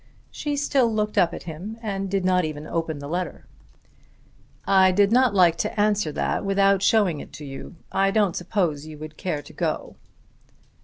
She still looked up at him and did not even open the letter. "I did not like to answer that without showing it to you. I don't suppose you would care to go."